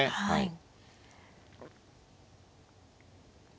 はい。